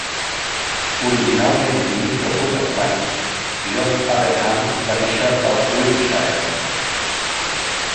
Originalment ministre protestant, John Adelham va nàixer a Wiltshire.